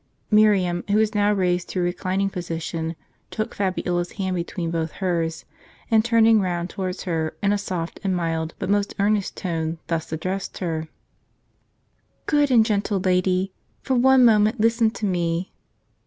Miriam, who was now raised to a reclining position, took Fabiola's hand between both hers ; and turning round towards her, in a soft and mild, but most earnest tone, thus addressed her :" Good and gentle lady, for one moment listen to me.